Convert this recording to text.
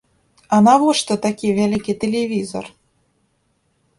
А навошта такі вялікі тэлевізар?!